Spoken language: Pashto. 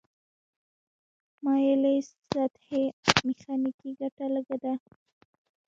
مایلې سطحې میخانیکي ګټه لږه ده.